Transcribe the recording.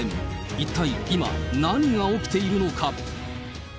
いったい今、何が起きているのか。